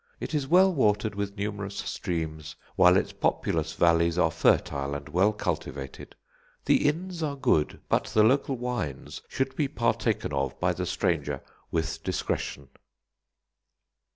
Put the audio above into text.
It is well watered with numerous streams, while its populous valleys are fertile and well cultivated. The inns are good; but the local wines should be partaken of by the stranger with discretion."